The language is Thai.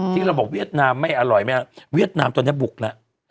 ที่เราบอกเวียดนามไม่อร่อยไม่เอาเวียดนามตอนนี้บุกแล้ว